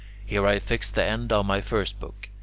Here I fixed the end of my first book.